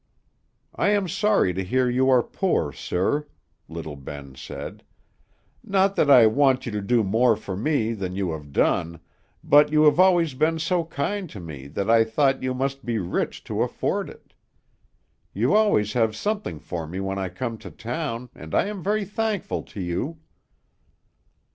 "I am sorry to hear you are poor, sir," little Ben said. "Not that I want you to do more for me than you have done, but you have always been so kind to me that I thought you must be rich to afford it. You always have something for me when I come to town, and I am very thankful to you."